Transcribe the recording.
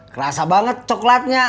kerasa banget coklatnya